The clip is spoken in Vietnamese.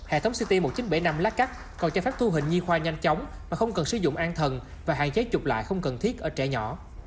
hệ thống city một nghìn chín trăm bảy mươi năm lát cắt còn cho phép thu hình nhi khoa nhanh chóng mà không cần sử dụng an thần và hạn chế chụp lại không cần thiết ở trẻ nhỏ